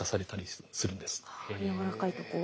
あやわらかいとこを。